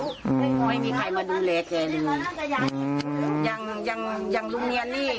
ไม่มีใครมาดูแลแกหรือยังลุงเงียนนี่